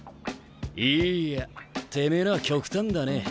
いいやてめえのは極端だね。